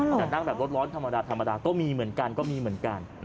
แต่นั่งแบบรถร้อนธรรมดาก็มีเหมือนกัน